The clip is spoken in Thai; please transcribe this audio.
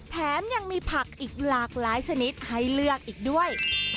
แถมยังมีผักอีกหลากหลายชนิดให้เลือกอีกด้วย